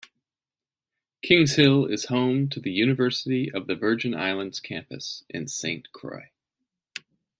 Kingshill is home to the University of the Virgin Islands campus in Saint Croix.